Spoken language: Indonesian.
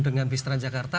dengan bistran jakarta